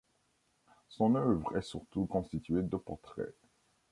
Son œuvre est surtout constituée de portraits.